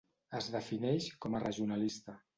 Es defineix com a regionalista.